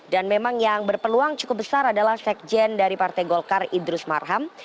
dan memang yang berpeluang cukup besar adalah sekjen dari partai golkar idris marham